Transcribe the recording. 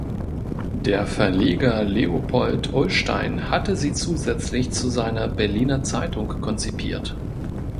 Der Verleger Leopold Ullstein hatte sie zusätzlich zu seiner "Berliner Zeitung" konzipiert.